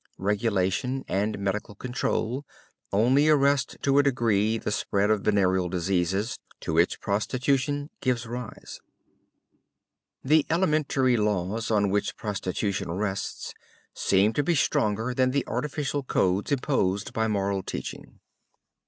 Regulation and medical control only arrest in a degree the spread of venereal diseases to which prostitution gives rise. The elementary laws on which prostitution rests seems to be stronger than the artificial codes imposed by moral teaching.